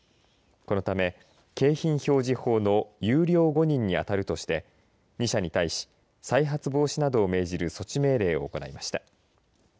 このため景品表示法の優良誤認にあたるとして２社に対し再発防止などを命じる措置命令を行いました。